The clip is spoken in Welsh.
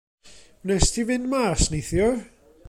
Wnest ti fynd mas neithiwr?